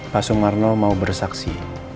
pak sungarno mau bersaksi